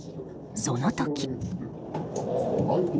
その時。